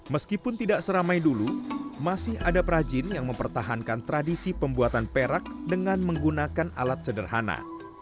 meskipun tidak seramai dulu masih ada perajin yang mempertahankan tradisi pembuatan perak dengan menggunakan alat sederhana